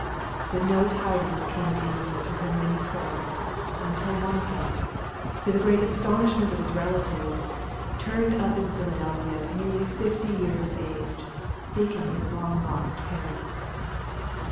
But no tidings came in answer to her many prayers, until one of them, to the great astonishment of his relatives, turned up in Philadelphia, nearly fifty years of age, seeking his long lost parents.